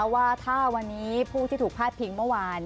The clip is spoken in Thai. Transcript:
ว่าถ้าวันนี้ผู้ที่ถูกพาดพิงเมื่อวาน